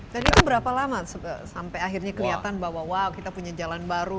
jadi itu berapa lama sampai akhirnya kelihatan bahwa kita punya jalan baru